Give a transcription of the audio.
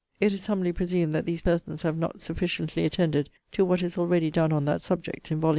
It is humbly presumed, that these persons have not sufficiently attended to what is already done on that subject in Vol.